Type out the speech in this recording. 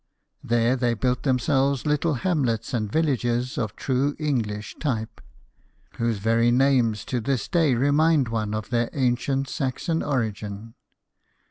There they built themselves little hamlets and villages of true English type, whose very names to this day remind one of their ancient Saxon origin.